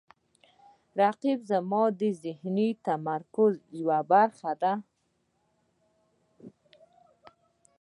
رقیب زما د ذهني تمرکز یوه برخه ده